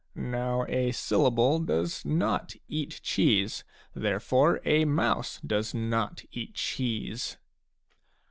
Now a syllable does not eat cheese. Therefore a mouse does not eat cheese."